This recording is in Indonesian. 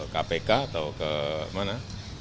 kpk atau ke mana